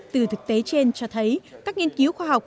từ thực tế trên cho thấy các nghiên cứu khoa học